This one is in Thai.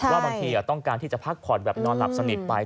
ว่าบางทีต้องการที่จะพักผ่อนแบบนอนหลับสนิทไป